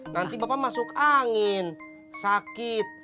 nanti bapak masuk angin sakit